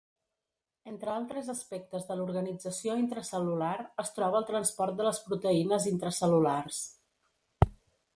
Entre altres aspectes de l'organització intracel·lular es troba el transport de les proteïnes intracel·lulars.